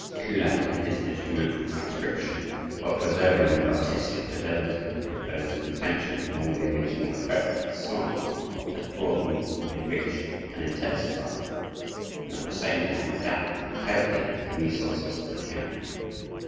Kullak, in his instrumental transcription, while preserving with artistic fidelity the composer's intention in all the original effects of the song, has broadened, enriched, and intensified them, and at the same time adapted them cleverly to the resources of the piano.